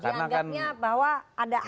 dianggapnya bahwa ada akto ini